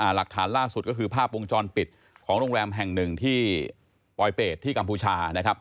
หลักฐานล่าสุดก็คือภาพวงจรปิดของโรงแรมแห่งหนึ่งที่ปลอยเป็ดที่กัมพูชานะครับ